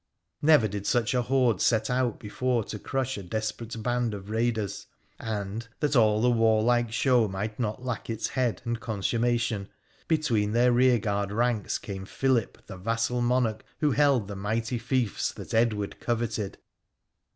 Never did such a horde set out before to crush a desperate band of raiders. And, that all the warlike show might not lack its head and consummation, between their rearguard ranks came Philip, the vassal monarch who held the mighty fiefs that Edward coveted.